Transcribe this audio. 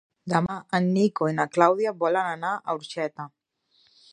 Demà en Nico i na Clàudia volen anar a Orxeta.